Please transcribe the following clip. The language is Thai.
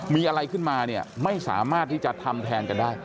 มีอะไรขึ้นมาเนี่ยไม่สามารถที่จะทำแทนกันได้